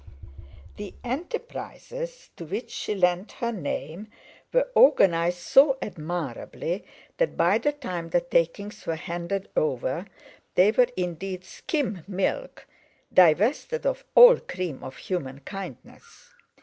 The enterprises to which she lent her name were organized so admirably that by the time the takings were handed over, they were indeed skim milk divested of all cream of human kindness.